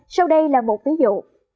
sau đây là một ví dụ